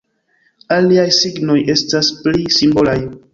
Aliaj signoj estas pli simbolaj.